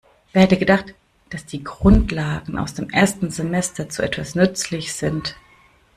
Wer hätte gedacht, dass die Grundlagen aus dem ersten Semester zu etwas nützlich sind?